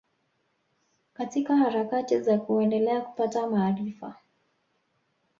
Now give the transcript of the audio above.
Katika harakati za kuendelea kupata maarifa